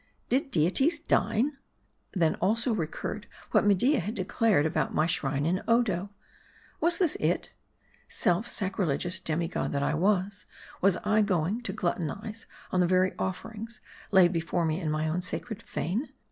Did deities dine ? Then also recurred what Media had declared about my shrine in Odo. Was this it ? Self sacrilegious demigod that I was, was I going to gluttonize on the very offerings, laid before me in my own sacred fane